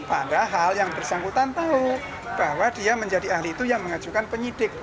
padahal yang bersangkutan tahu bahwa dia menjadi ahli itu yang mengajukan penyidik